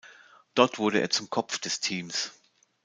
Dort wurde er zum Kopf des Teams.